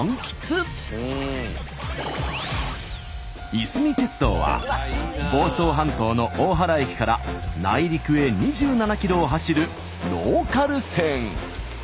いすみ鉄道は房総半島の大原駅から内陸へ２７ｋｍを走るローカル線。